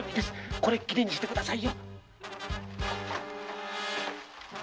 これっきりにしてください。